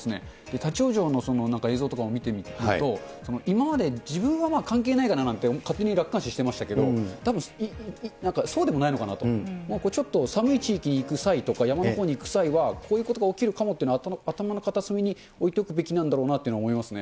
立往生の映像とかを見てみると、今まで自分は関係ないかななんて、勝手に楽観視してましたけども、たぶん、なんかそうでもないのかなと、ちょっと寒い地域に行く際とか山のほうに行く際は、こういうことが起きるかもっていうのは頭の片隅に置いておくべきなんだろうなというのは思いますね。